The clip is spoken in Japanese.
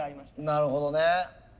なるほどね。